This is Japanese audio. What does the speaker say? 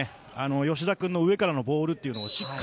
吉田君の上からのボールというのをしっかり